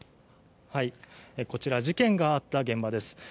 こちら、事件があった現場です。